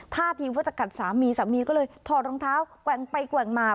ท่าทีว่าจะกัดสามีสามีก็เลยถอดรองเท้าแกว่งไปแกว่งมา